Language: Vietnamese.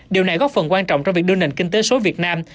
điều này góp phần quan trọng trong việc đưa nền kinh tế số việt nam